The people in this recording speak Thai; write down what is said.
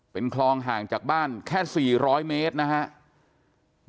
เป็นคลองห่างจากบ้านแค่๔๐๐เมตรนะครับ